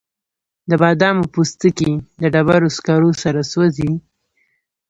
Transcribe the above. د بادامو پوستکي د ډبرو سکرو سره سوځي؟